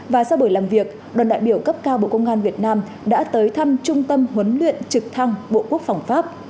và sau buổi làm việc đoàn đại biểu cấp cao bộ công an việt nam đã tới thăm trung tâm huấn luyện trực thăng bộ quốc phòng pháp